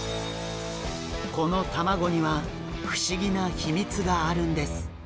この卵には不思議な秘密があるんです。